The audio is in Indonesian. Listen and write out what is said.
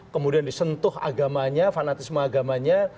kemudian disentuh agamanya fanatisme agamanya